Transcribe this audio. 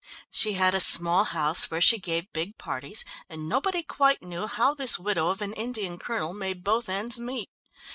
She had a small house where she gave big parties, and nobody quite knew how this widow of an Indian colonel made both ends meet.